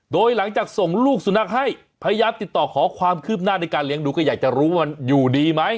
โดยหลังจากส่งลูกสุนัขให้พยายามติดต่อขอความคืบหน้าในการเลี้ยงดูก็อยากจะรู้มันอยู่ดีไหม